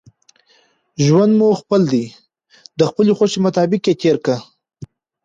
ژوند مو خپل دئ، د خپلي خوښي مطابق ئې تېر که!